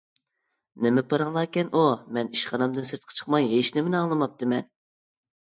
-نېمە پاراڭلاركەن ئۇ؟ مەن ئىشخانامدىن سىرتقا چىقماي ھېچنېمىنى ئاڭلىماپتىمەن.